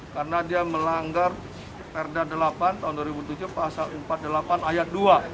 karena dia melanggar perda delapan tahun dua ribu tujuh pasal empat puluh delapan ayat dua